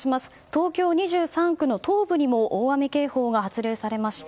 東京２３区の東部にも大雨警報が発令されました。